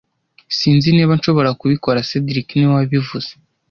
Sinzi niba nshobora kubikora cedric niwe wabivuze